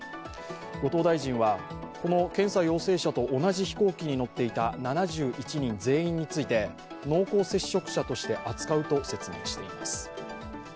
後藤大臣はこの検査陽性者と同じ飛行機に乗っていた７１人全員について濃厚接触者として扱うと説明しています。